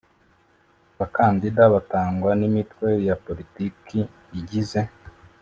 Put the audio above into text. bakandida batangwa n’imitwe ya politiki igize